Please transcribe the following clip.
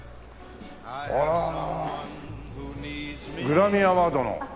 グラミーアワードの。